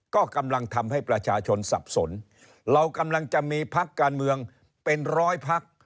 ก็กำลังทำให้ประชาชนสับสนเรากำลังจะมีพักการเมืองเป็นร้อยพัก